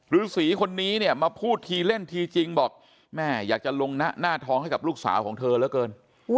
ฤษีคนนี้เนี่ยมาพูดทีเล่นทีจริงบอกแม่อยากจะลงหน้าท้องให้กับลูกสาวของเธอเหลือเกิน